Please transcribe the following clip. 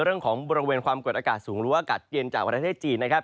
บริเวณความกดอากาศสูงหรือว่าอากาศเย็นจากประเทศจีนนะครับ